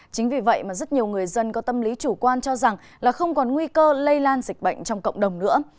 chính vì vậy mà rất nhiều người dân có tâm lý chủ quan cho rằng là không còn nguy cơ lây lan dịch bệnh trong cộng đồng nữa